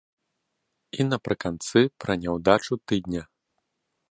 І напрыканцы пра няўдачу тыдня.